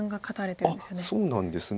そうなんですね。